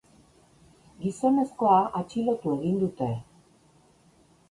Gizonezkoa atxilotu egin dute.